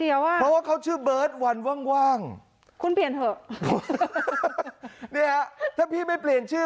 อยากโดนอยากบูบกลางไฟแดงภาคเหนือ